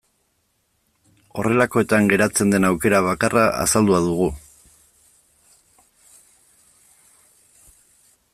Horrelakoetan geratzen den aukera bakarra azaldua dugu.